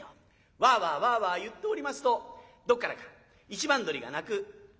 わあわあわあわあ言っておりますとどっからか一番鶏が鳴く。